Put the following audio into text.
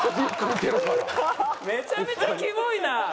めちゃめちゃキモイな！